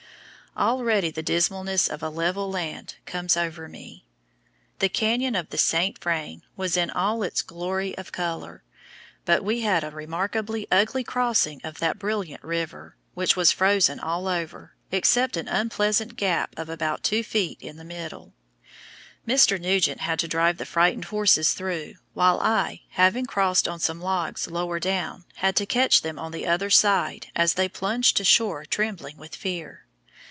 Already the dismalness of a level land comes over me. The canyon of the St. Vrain was in all its glory of color, but we had a remarkably ugly crossing of that brilliant river, which was frozen all over, except an unpleasant gap of about two feet in the middle. Mr. Nugent had to drive the frightened horses through, while I, having crossed on some logs lower down, had to catch them on the other side as they plunged to shore trembling with fear.